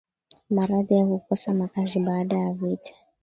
maradhi na kukosa makazi baada ya vita